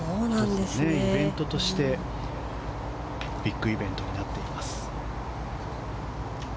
イベントとしてビッグイベントになっています。